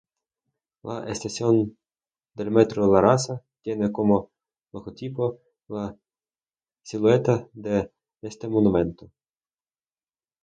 La estación del Metro La Raza; tiene como logotipo la silueta de este monumento.